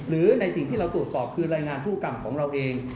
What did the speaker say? หรือในสิ่งที่เราตรวจสอบคือรายงานธุรกรรมของเราเอง